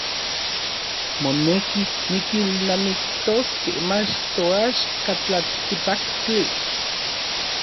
Moneki tikilnamiktoskej mach toaxka tlaltikpaktli.